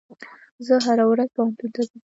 زه هره ورځ پوهنتون ته ځم.